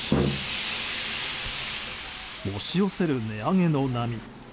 押し寄せる値上げの波。